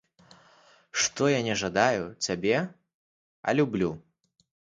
Што я не жадаю цябе, а люблю.